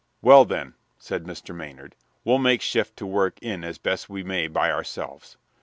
"Well, then," said Mr. Maynard, "we'll make shift to work in as best we may by ourselves.